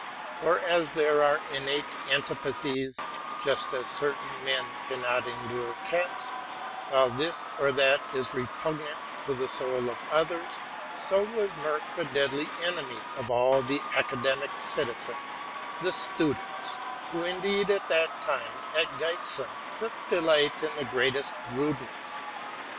For as there are innate antipathies, — just as certain men cannot endure cats, while this or that is repugnant to the soul of others, —so was Merck a deadly enemy to all the academical citizens (the students), who indeed at that time, at Giessen, took delight in the greatest rudeness.